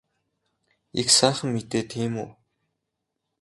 Их сайхан мэдээ тийм үү?